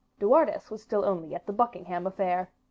De Wardes was still only at Buckingham's affair.